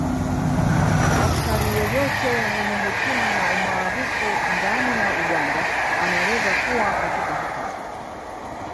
Askari yeyote mwenye heshima na umaarufu ndani ya Uganda anaweza kuwa katika hatari